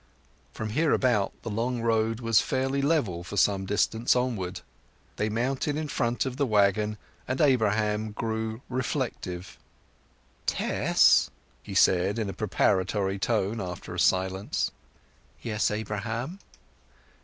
From hereabout the long road was fairly level for some distance onward. They mounted in front of the waggon, and Abraham grew reflective. "Tess!" he said in a preparatory tone, after a silence. "Yes, Abraham."